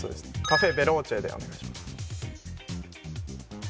カフェ・ベローチェでお願いします